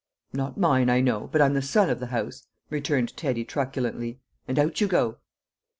"Not mine, I know; but I'm the son of the house," returned Teddy truculently, "and out you go!"